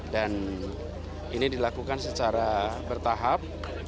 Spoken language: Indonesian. dan ini dilakukan secara bertahap